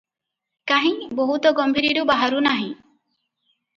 କାହିଁ, ବୋହୂ ତ ଗମ୍ଭୀରୀରୁ ବାହାରୁ ନାହିଁ?